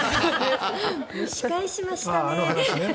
蒸し返しましたね。